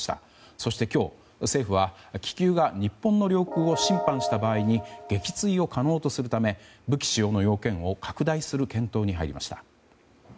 そして今日、政府は気球が日本の領空を侵犯した場合に撃墜を可能とするため武器使用の要件を拡大する検討に入りました。